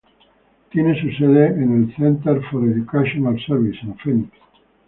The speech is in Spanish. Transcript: Tiene su sede en el "Center for Educational Services" en Phoenix.